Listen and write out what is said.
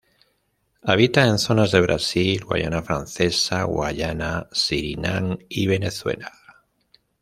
Habita en zonas de Brasil, Guyana francesa, Guyana, Surinam y Venezuela.